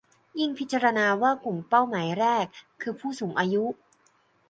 ยิ่งพิจารณว่ากลุ่มเป้าหมายแรก คือผู้สูงอายุ